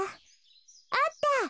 あった！